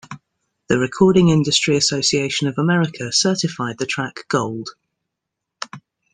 The Recording Industry Association of America certified the track Gold.